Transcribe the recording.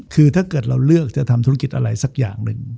คือถ้าเกิดเราเลือกจะทำธุรกิจอะไรสักอย่างหนึ่ง